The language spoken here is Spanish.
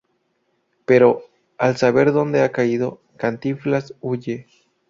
Pero, al saber donde ha caído, Cantinflas huye.